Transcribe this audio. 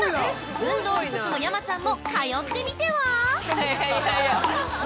運動不足の山ちゃんも通ってみては？